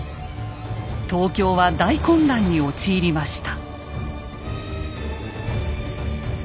東京は大混乱に陥りました。